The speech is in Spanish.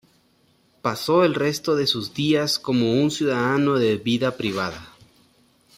Pasó el resto de sus días como un ciudadano de vida privada.